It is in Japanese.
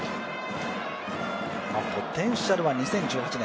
ポテンシャルは２０１８年